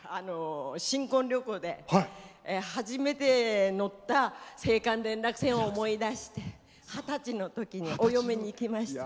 新婚旅行で初めて乗った青函連絡船を思い出して二十歳のときにお嫁にきました。